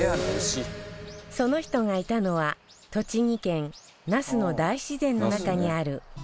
その人がいたのは栃木県那須の大自然の中にある牧場